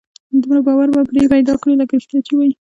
دومره باور به پرې پيدا کړي لکه رښتيا چې وي.